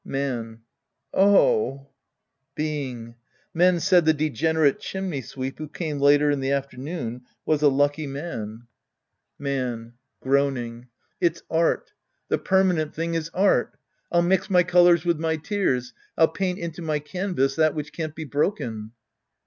Man. Oh ! Being. Men said the degenerate chimney sweep who came later in the afternocflu was a lucky man. 8 The Priest and His Disciples Ind. Man (groaning). It's art. The permanent thing is art. I'll mix my colors with my tears. I'll paint into my canvas that which can't be broken.